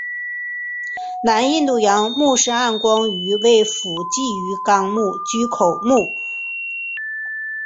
南印度洋穆氏暗光鱼为辐鳍鱼纲巨口鱼目褶胸鱼科的其中一种。